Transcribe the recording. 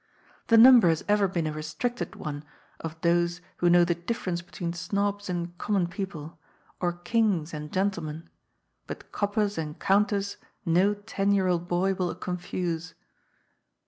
The number has ever been a restricted one of those who know the difference between snobs and common people, or Kings and gentlemen, but coppers and counters no ten year old boy will confuse.